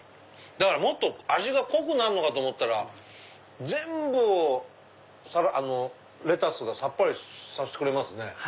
もっと味が濃くなんのかと思ったら全部をレタスがさっぱりさせてくれますね。